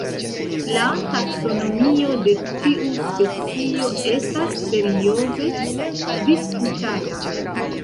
La taksonomio de tiu specio estas serioze disputata.